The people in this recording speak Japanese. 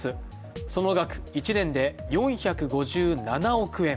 その額１年で４５７億円。